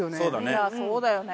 いやそうだよね。